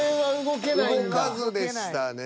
動かずでしたね。